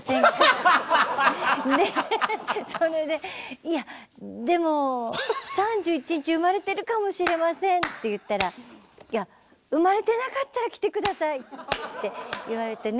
「いやでも３１日産まれてるかもしれません」って言ったら「産まれてなかったら来て下さい」って言われてね